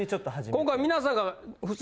今回皆さんが普通。